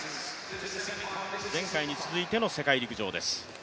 前回に続いての世界陸上です。